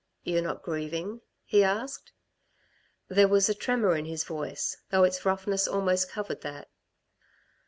"You're not grieving?" he asked. There was a tremor in his voice, though its roughness almost covered that.